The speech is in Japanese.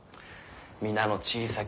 皆の小さき